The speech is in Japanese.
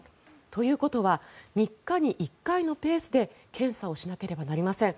ということは３日に１回のペースで検査をしなければなりません。